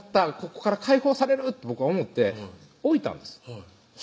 ここから解放されると僕は思って置いたんですそ